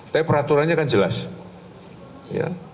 tapi peraturannya kan jelas ya